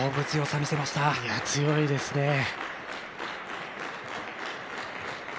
強いですね。